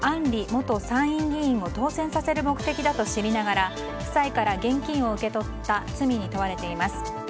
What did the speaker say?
里元参院議員を当選させる目的だと知りながら夫妻から現金を受け取った罪に問われています。